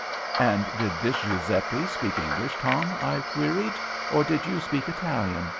"And did this Giuseppe speak English, Tom?" I queried, "or did you speak Italian?